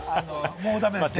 もう駄目ですね。